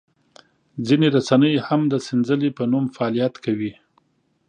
ځینې رسنۍ هم د سنځلې په نوم فعالیت کوي.